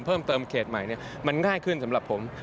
เพิ่มเติมเขตใหม่มันง่ายขึ้นสำหรับผม